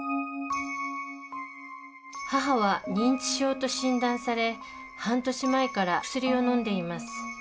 母は認知症と診断され半年前から薬をのんでいます。